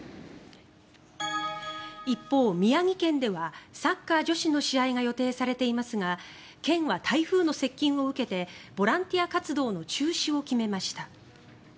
一方、宮城県ではサッカー女子の試合が予定されていますが県は台風の接近を受けてボランティア活動の中止を決めました。